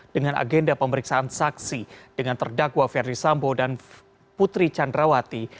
dengan agenda pemeriksaan saksi dengan terdakwa ferdi sambo dan putri candrawati